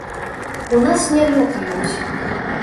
У нас не лётаюць.